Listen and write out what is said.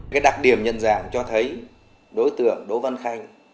cái đặc điểm nhận dạng cho thấy đối tượng đỗ văn khanh